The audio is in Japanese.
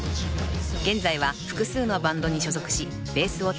［現在は複数のバンドに所属しベースを担当］